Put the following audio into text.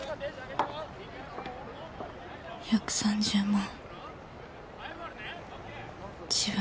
１３０ 万。